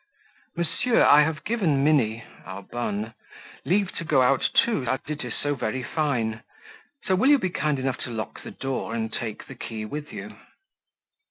"Monsieur, I have given Minnie" (our bonne) "leave to go out too, as it is so very fine; so will you be kind enough to lock the door, and take the key with you?"